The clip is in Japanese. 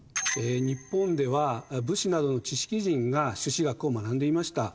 日本では武士などの知識人が朱子学を学んでいました。